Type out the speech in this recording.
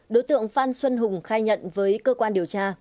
đối tượng phan xuân hùng khai nhận với cơ quan điều tra